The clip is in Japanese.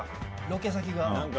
ロケ先が。